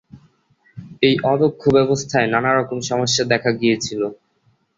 এই অদক্ষ ব্যবস্থায় নানারকম সমস্যা দেখা গিয়েছিল।